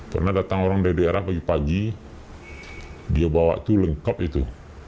pernah datang orang dari daerah pagi pagi dia bawa itu lengkap itu